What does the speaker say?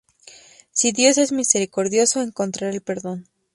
Si Dios es misericordioso, encontrará el perdón.